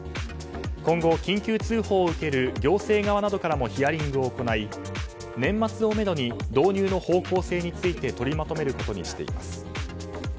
今後、緊急通報を受ける行政側などからもヒアリングを行い年末をめどに導入の方向性について取りまとめることにしています。